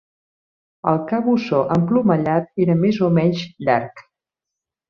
El cabussó emplomallat era més o menys llarg.